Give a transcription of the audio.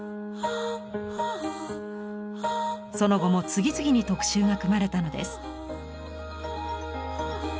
その後も次々に特集が組まれたのです。